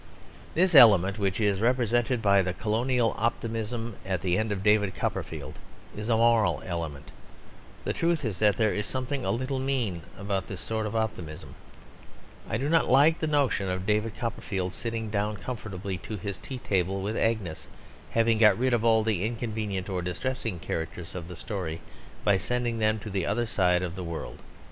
This element which is represented by the colonial optimism at the end of David Copperfield is a moral element. The truth is that there is something a little mean about this sort of optimism. I do not like the notion of David Copperfield sitting down comfortably to his tea table with Agnes, having got rid of all the inconvenient or distressing characters of the story by sending them to the other side of the world.